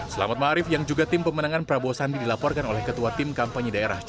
selamat ⁇ maarif yang juga tim pemenangan prabowo sandi dilaporkan oleh ketua tim kampanye daerah jawa